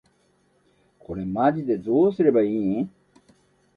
これマジでどうすれば良いん？